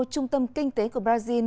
trung tâm kinh tế của brazil